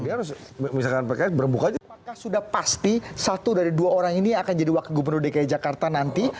apakah sudah pasti satu dari dua orang ini akan jadi wakil gubernur dki jakarta nanti